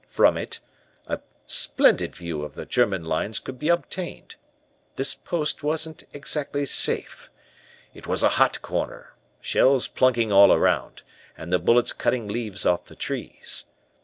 From it, a splendid view of the German lines could be obtained. This post wasn't exactly safe. It was a hot corner, shells plunking all around, and the bullets cutting leaves off the trees.